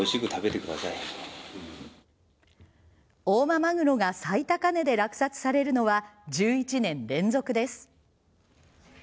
大間マグロが最高値で落札されるのは１１年連続です。